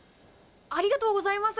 ありがとうございます。